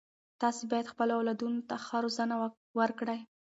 تاسې باید خپلو اولادونو ته ښه روزنه ورکړئ.